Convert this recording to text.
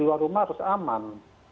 keluar rumah harus aman